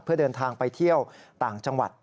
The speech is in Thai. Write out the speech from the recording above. เพื่อเดินทางไปเที่ยวต่างจังหวัด